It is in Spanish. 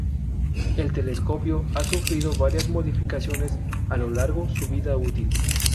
El telescopio ha sufrido varias modificaciones a lo largo su vida útil.